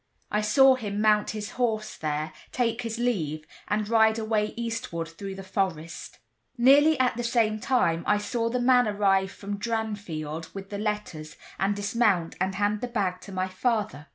I saw him mount his horse there, take his leave, and ride away eastward through the forest. Nearly at the same time I saw the man arrive from Dranfield with the letters, and dismount and hand the bag to my father.